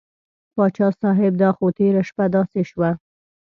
پاچا صاحب دا خو تېره شپه داسې شوه.